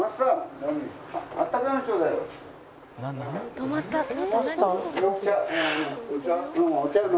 「止まった。何？」